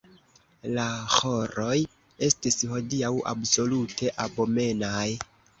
La ĥoroj estis hodiaŭ absolute abomenaj.